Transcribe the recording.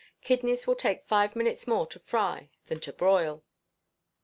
Kidneys will take five minutes more to fry than to broil.